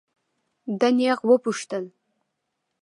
ده نېغ وپوښتل.